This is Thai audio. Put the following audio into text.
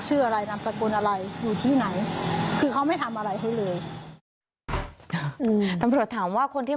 ชื่ออะไรนำสกุลไว้จะรู้ไหมเอานี้